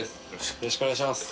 よろしくお願いします。